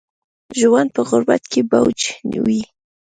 ژوند په غربت کې بوج وي